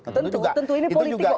tentu tentu ini politik